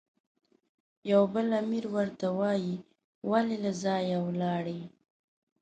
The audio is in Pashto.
یو بل امیر ورته وایي، ولې له ځایه ولاړې؟